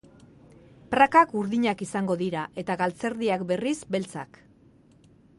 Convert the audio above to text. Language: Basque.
Prakak urdinak izango dira, eta galtzerdiak, berriz, beltzak.